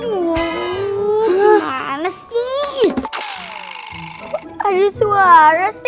manas ada suara v